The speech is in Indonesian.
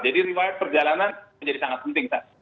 jadi perjalanan menjadi sangat penting sekarang ini